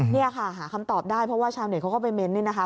นี่ค่ะหาคำตอบได้เพราะว่าชาวเน็ตเขาก็ไปเน้นเนี่ยนะคะ